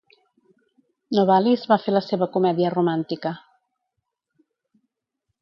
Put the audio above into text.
Novalis va fer la seva comèdia romàntica.